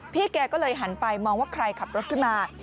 แกก็เลยหันไปมองว่าใครขับรถขึ้นมา